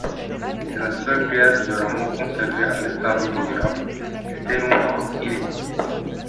C'est la seule pièce de Rameau conservée à l'état d'autographe, restée longtemps inédite.